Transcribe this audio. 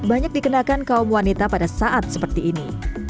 banyak dikenakan kaum wanita pada saat seperti ini